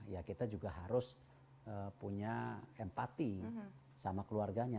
ya kita juga harus punya empati sama keluarganya